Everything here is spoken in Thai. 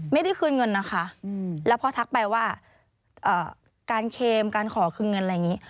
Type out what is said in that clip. ไม่ได้คืนเงินนะคะแล้วพอทักไปว่าการเคมการขอคืนเงินอะไรอย่างนี้